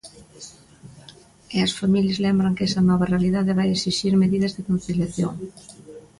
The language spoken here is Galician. E as familias lembran que esa nova realidade vai esixir medidas de conciliación.